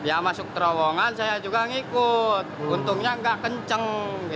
pemadam kebakaran juga mengikut untungnya tidak kencang